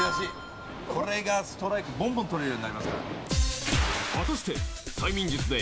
これがストライクぼんぼん取れるようになります」